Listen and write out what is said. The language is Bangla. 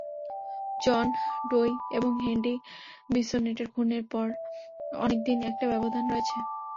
জন ডোই এবং হেনরি বিসোনেটের খুনের পর অনেকদিনের একটা ব্যবধান রয়েছে।